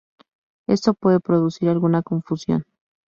Esto puede producir alguna confusión.